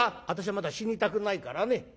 「私はまだ死にたくないからね」。